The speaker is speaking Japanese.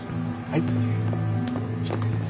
はい。